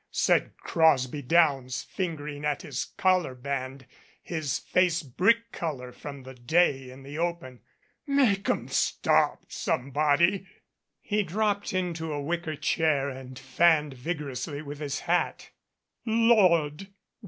said Crosby Downs, fingering at his collar band, his face brick color from the day in the open. "Make 'em stop, somebody." He dropped into a wicker chair and fanned vigorously with his hat. "Lord!